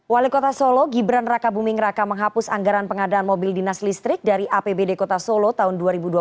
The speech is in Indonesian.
wali kota solo gibran raka buming raka menghapus anggaran pengadaan mobil dinas listrik dari apbd kota solo tahun dua ribu dua puluh